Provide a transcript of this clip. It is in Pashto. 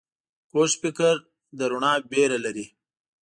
کوږ فکر له رڼا ویره لري